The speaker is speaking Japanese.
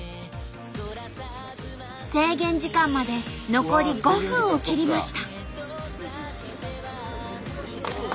制限時間まで残り５分を切りました。